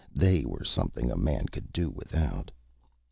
They were something a man could do without.